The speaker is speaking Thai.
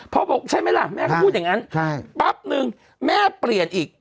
บอกใช่ไหมล่ะแม่เขาพูดอย่างนั้นปั๊บนึงแม่เปลี่ยนอีก